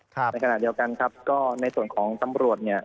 ในขณะเดียวกันครับก็ในส่วนของตำรวจเนี่ย